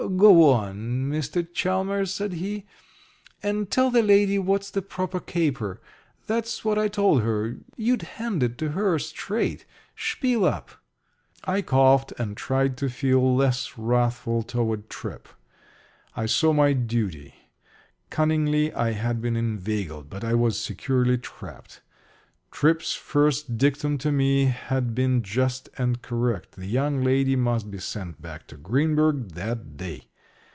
"Go on, Mr. Chalmers," said he, "and tell the lady what's the proper caper. That's what I told her you'd hand it to her straight. Spiel up." I coughed, and tried to feel less wrathful toward Tripp. I saw my duty. Cunningly I had been inveigled, but I was securely trapped. Tripp's first dictum to me had been just and correct. The young lady must be sent back to Greenburg that day.